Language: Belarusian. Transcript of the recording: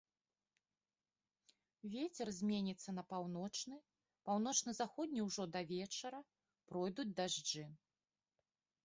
Вецер зменіцца на паўночны, паўночна-заходні ўжо да вечара, пройдуць дажджы.